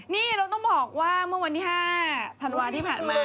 นี่เราต้องบอกว่าเมื่อวันที่๕ธันวาที่ผ่านมา